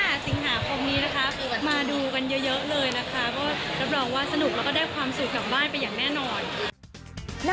ก็รับรองว่าสนุกแล้วก็ได้ความสุขกลับบ้านไปอย่างแน่นอน